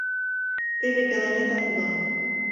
Теве пеленетак улам.